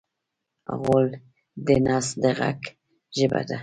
غول د نس د غږ ژبه ده.